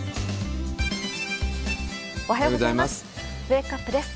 おはようございます。